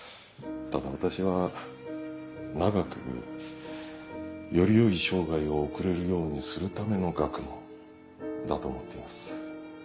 ただ私は長くより良い生涯を送れるようにするための学問だと思っています。